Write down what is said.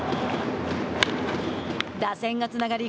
打線がつながり